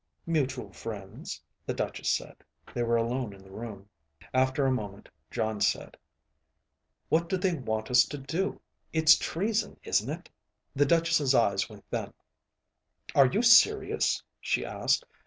"Mutual friends," the Duchess said. They were alone in the room. After a moment, Jon said, "What do they want us to do? It's treason, isn't it?" The Duchess' eyes went thin. "Are you serious?" she asked.